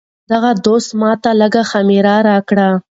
دغه دوست ماته لږه خمیره راکړه.